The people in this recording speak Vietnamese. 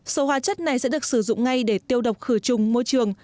số hóa chất này sẽ được sử dụng ngay để tiêu độc khử trùng môi trường